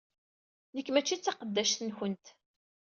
Nekk mačči d taqeddact-nkent!